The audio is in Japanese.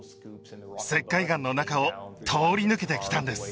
石灰岩の中を通り抜けてきたんです